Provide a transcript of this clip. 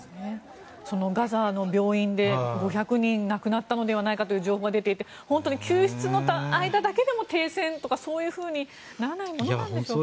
ガザの病院で５００人亡くなったのではないかという情報が出ていて救出の間だけでも停戦とかそうならないものですかね。